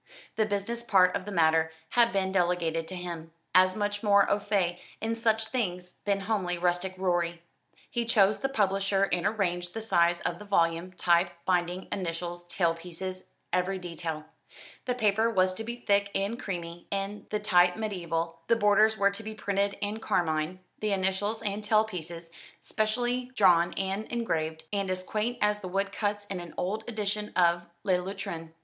The business part of the matter had been delegated to him, as much more au fait in such things than homely rustic Rorie. He chose the publisher and arranged the size of the volume, type, binding, initials, tail pieces, every detail. The paper was to be thick and creamy, the type mediaeval, the borders were to be printed in carmine, the initials and tail pieces specially drawn and engraved, and as quaint as the wood cuts in an old edition of "Le Lutrin."